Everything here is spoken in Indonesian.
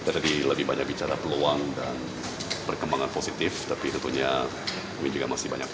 jadi lebih banyak bicara peluang dan perkembangan positif tapi tentunya ini juga masih banyak pr